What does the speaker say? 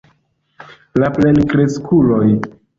La plenkreskuloj.